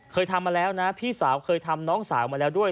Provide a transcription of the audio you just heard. เคยทำมาแล้วนะพี่สาวเคยทำน้องสาวมาแล้วด้วย